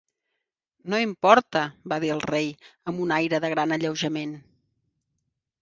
"No importa!", va dir el rei, amb un aire de gran alleujament.